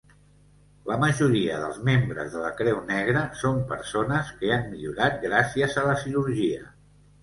La majoria dels membres de la Creu Negra son persones que han millorat gràcies a la cirurgia.